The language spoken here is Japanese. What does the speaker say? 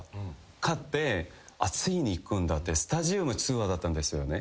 買ってついに行くんだってスタジアムツアーだったんですよね。